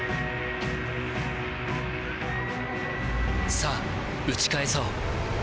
さあ、打ち返そう。